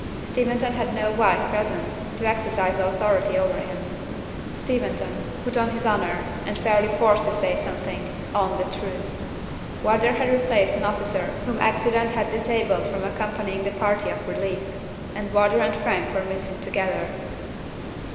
Steventon had no wife present to exercise authority over him. Steventon, put on his honor, and fairly forced to say something, owned the truth. Wardour had replaced an officer whom accident had disabled from accompanying the party of relief, and Wardour and Frank were missing together.